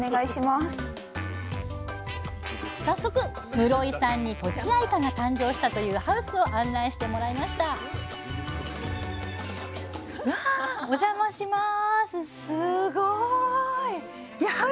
早速室井さんにとちあいかが誕生したというハウスを案内してもらいましたわおじゃまします。